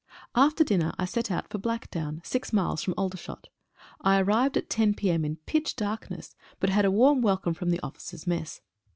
After dinner I set out for Blackdown, six miles from Aldershot. I arrived at 10 p.m. in pitch darkness, but had a warm welcome from the officers' mess.